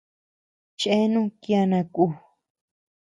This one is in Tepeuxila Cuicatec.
Chéanu kiana kú.